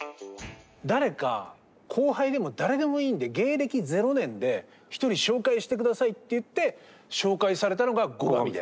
誰か後輩でも誰でもいいんで芸歴０年で１人紹介して下さいって言って紹介されたのが後上で。